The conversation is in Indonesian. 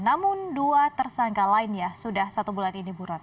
namun dua tersangka lainnya sudah satu bulan ini buron